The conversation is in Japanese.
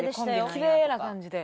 きれいな感じで。